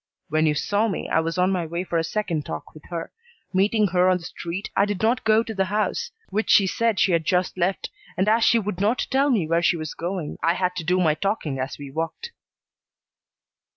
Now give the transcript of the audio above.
When you saw me I was on my way for a second talk with her. Meeting her on the street, I did not go to the house, which she said she had just left, and as she would not tell me where she was going, I had to do my talking as we walked."